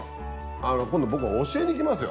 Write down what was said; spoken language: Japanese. あの今度僕教えに来ますよ。